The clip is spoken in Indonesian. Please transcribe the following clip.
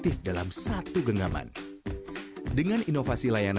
terima kasih banyak